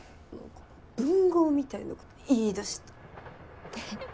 文豪みたいなこと言いだした。